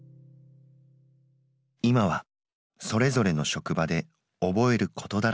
今はそれぞれの職場で覚えることだらけ。